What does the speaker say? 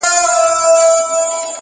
• نه تر کلي سوای چا تېل را رسولای -